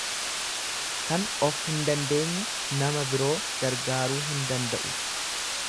Kan of hin dandeenye nama biroo gargaaruu hin danda'u.